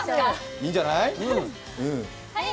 いいんじゃない？